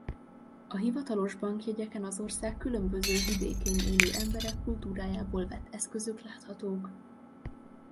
A hivatalos bankjegyeken az ország különböző vidékén élő emberek kultúrájából vett eszközök láthatók.